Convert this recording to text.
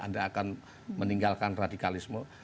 anda akan meninggalkan radikalisme